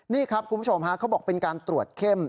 นี่ครับคุณผู้ชมฮะเขาบอกเป็นการตรวจเข้ม